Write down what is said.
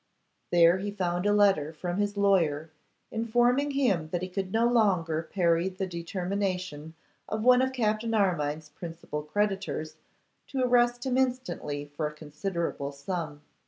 There he found a letter from his lawyer, informing him that he could no longer parry the determination of one of Captain Armine's principal creditors to arrest him instantly for a considerable sum.